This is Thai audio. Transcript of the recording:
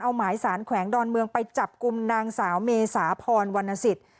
เอาหมายสารแขวงดอนเมืองไปจับกลุ่มนางสาวเมษาพรวรรณสิทธิ์